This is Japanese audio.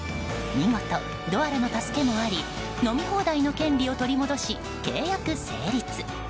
見事、ドアラの助けもあり飲み放題の権利を取り戻し契約成立。